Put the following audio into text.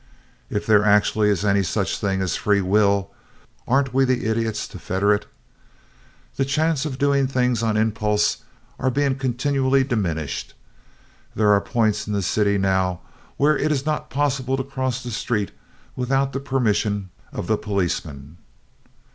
If there actually is any such thing as free will, aren't we the idiots to fetter it! The chances of doing things on impulse are being continually diminished. There are points in the city now where it is not possible to cross the street without the permission of the policeman.